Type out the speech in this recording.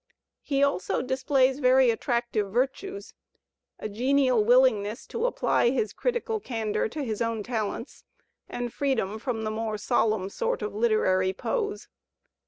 He also displays very attractive virtues, genial willingness to apply his critical candour to his own talents, and freedom from the more solenm sort of literary pose.